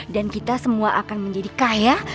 dan kita semua akan menjadi kaya